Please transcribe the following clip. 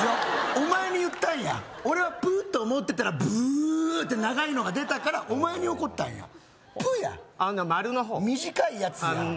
お前に言ったんやん俺はプウと思ってたらブウーって長いのが出たからお前に怒ったんやプウや短いやつやあっ丸の方？